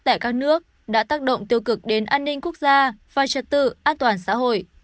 tại các nước đã tác động tiêu cực đến an ninh quốc gia và trật tự an toàn xã hội